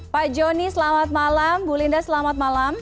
pak joni selamat malam bu linda selamat malam